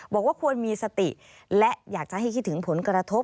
บอกว่าควรมีสติและอยากจะให้คิดถึงผลกระทบ